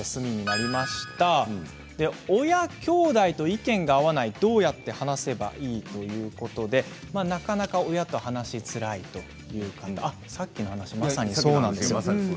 いよいよ親、きょうだいと意見が合わない、どうやって話せばいい？ということで、なかなか親と話しづらいということでまさにさっきの話ですね。